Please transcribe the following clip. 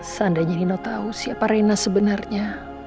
masih tak tahu siapa rena sebenarnya